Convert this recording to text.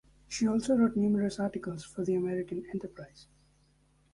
She also wrote numerous articles for "The American Enterprise".